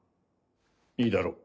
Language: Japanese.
いいだろう。